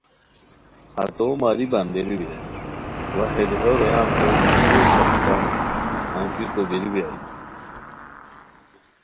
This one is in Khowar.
ہتو مری بندئیرو بیرانی وا ہے دیہو رویانتے مر یو ݰاپیکان انگیکو بیرو بیرانی